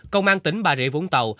công an tỉnh bà rịa vũng tàu